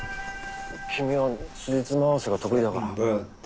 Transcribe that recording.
君はつじつま合わせが得意だから。